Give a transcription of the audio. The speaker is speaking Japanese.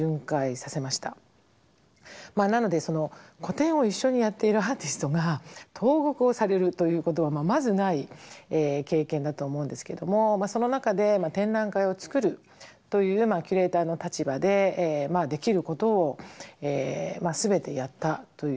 なので個展を一緒にやっているアーティストが投獄をされるということはまずない経験だと思うんですけどもその中で展覧会を作るというキュレーターの立場でできることを全てやったということですね。